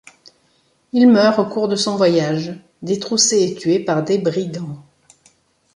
Il meurt au cours de son voyage, détroussé et tué par des brigands.